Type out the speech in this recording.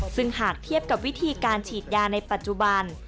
ซึ่งหากเทียบกับวิธีการฉีดยาในปัจจุบัน